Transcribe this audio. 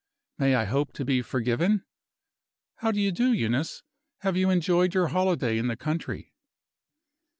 May I hope to be forgiven? How do you do, Eunice? Have you enjoyed your holiday in the country?"